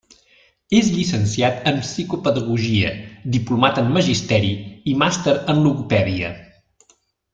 És llicenciat en psicopedagogia, diplomat en magisteri i màster en logopèdia.